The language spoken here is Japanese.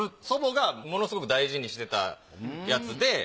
祖母がものすごく大事にしてたやつで。